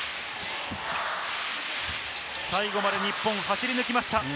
最後まで日本は走り抜きました。